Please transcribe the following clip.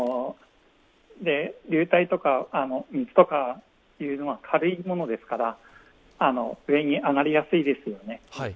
流体とか水とかいうのは軽いものですから上に上がりやすいですよね。